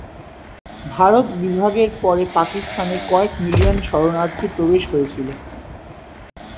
ভারত বিভাগের পরে পাকিস্তানে কয়েক মিলিয়ন শরণার্থী প্রবেশ হয়েছিল।